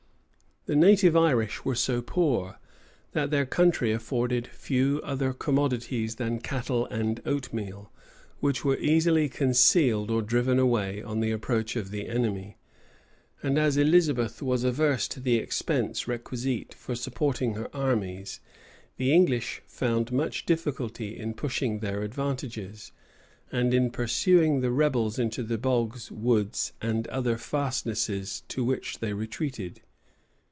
The native Irish were so poor, that their country afforded few other commodities than cattle and oatmeal, which were easily concealed or driven away on the approach of the enemy; and as Elizabeth was averse to the expense requisite for supporting her armies, the English found much difficulty in pushing their advantages, and in pursuing the rebels into the bogs, woods, and other fastnesses to which they retreated.